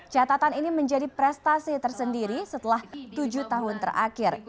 catatan ini menjadi prestasi tersendiri setelah tujuh tahun terakhir